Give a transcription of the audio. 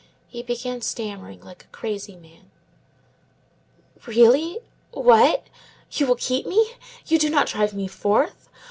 He began stammering like a crazy man:— "Really? What! You will keep me? You do not drive me forth?